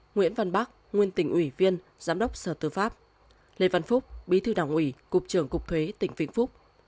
nguyễn văn bắc nguyên tỉnh ủy viên giám đốc sở tư pháp lê văn phúc bí thư đảng ủy cục trưởng cục thuế tỉnh vĩnh phúc